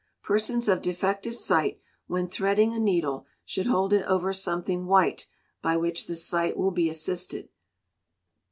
Persons of defective sight, when threading a needle, should hold it over something white, by which the sight will be assisted.